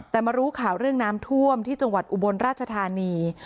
แต่มารู้ข่าวเรื่องน้ำท่วมที่จังหวัดอุบลราชธานี